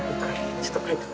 ちょっと書いとこ。